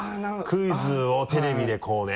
クイズをテレビでこうね。